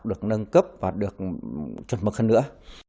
được nâng cấp và được chuẩn mực hơn nữa